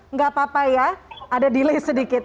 nggak apa apa ya ada delay sedikit